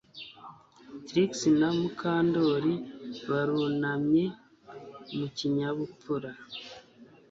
Trix na Mukandoli barunamye mu kinyabupfura